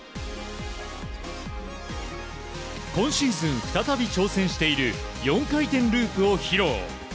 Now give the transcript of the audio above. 今シーズン、再び挑戦している４回転ループを披露。